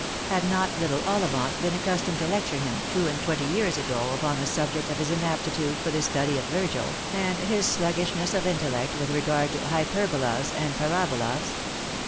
Had not little Ollivant been accustomed to lecture him two and twenty years ago, upon the subject of his inapti tude for the study of Virgil, and his sluggishness of intellect with regard to hyperbolas and parabolas